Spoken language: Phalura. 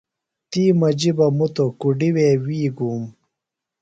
تی مجی بہ مُتوۡ۔ کُڈی وے وی گُوم۔